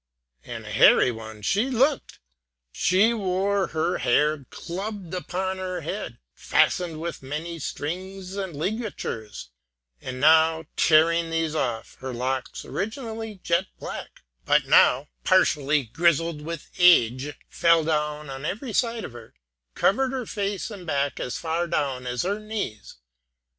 And a hairy one she looked! She wore her hair clubbed upon her head, fastened with many strings and ligatures; but now, tearing these off, her locks, originally jet black, but now partially grizzled with age, fell down on every side of her, covering her face and back as far down as her knees.